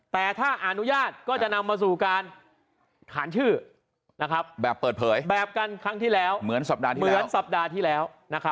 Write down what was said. แต่ถ้าอนุญาตก็จะนำมาสู่การขานชื่อแบบเปิดเผยแบบกันครั้งที่แล้วเหมือนสัปดาห์ที่แล้ว